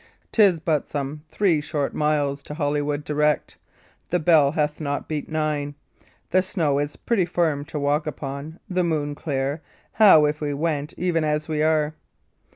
'Tis but some three short miles to Holywood direct; the bell hath not beat nine; the snow is pretty firm to walk upon, the moon clear; how if we went even as we are?"